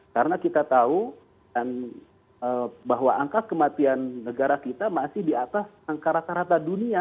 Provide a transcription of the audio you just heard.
karena kita tahu bahwa angka kematian negara kita masih di atas angka rata rata dunia